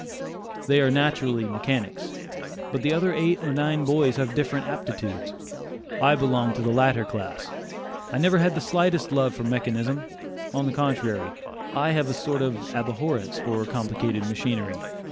They are natural mechanics; but the other eight or nine boys have different aptitudes. I belong to the latter class; I never had the slightest love for mechanism; on the contrary, I have a sort of abhorrence for complicated machinery.